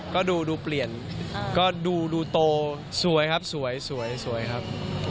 ก็ดูเปลี่ยนก็ดูโตสวยครับสวยสวยครับ